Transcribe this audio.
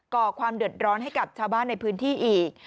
ก่อความเดือดร้อนให้กับชาวบ้านในพื้นที่อีก